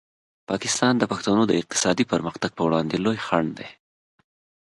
پاکستان د پښتنو د اقتصادي پرمختګ په وړاندې لوی خنډ دی.